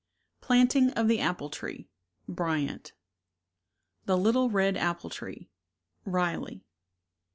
Planting of the Apple Tree. Bryant. 36 The Little Red Apple Tree, Riley.